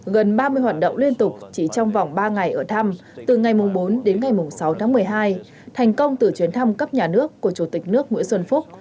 gần ba mươi hoạt động liên tục chỉ trong vòng ba ngày ở thăm từ ngày bốn đến ngày sáu tháng một mươi hai thành công từ chuyến thăm cấp nhà nước của chủ tịch nước nguyễn xuân phúc